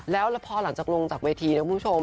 แล้วพอหลังจากลงจากเวทีนะคุณผู้ชม